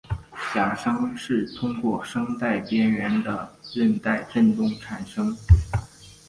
假声是通过声带边缘的韧带振动产生。